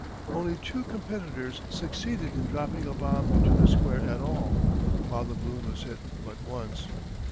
Only two competitors succeeded in dropping a bomb into the square at all, while the balloon was hit but once.